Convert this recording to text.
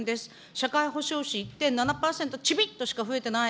社会保障費１．７％、ちびっとしか増えてない。